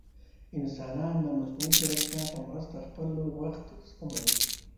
انسانان د مصنوعي ځیرکتیا په مرسته خپل وخت سپموي.